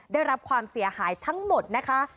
ได้รับความเสียหายทั้งหมดนะคะ